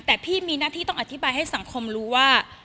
แต่พี่มีหน้าที่ต้องอธิบายให้สังคมรู้ว่า